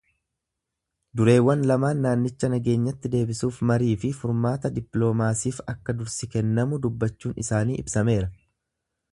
Dureewwan lamaan naannicha nageenyatti deebisuuf mariifi furmaata dippilomasiif akka dursi kennamu dubbachuun isaanii ibsameera.